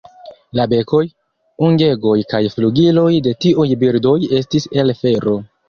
La bekoj, ungegoj kaj flugiloj de tiuj birdoj estis el fero.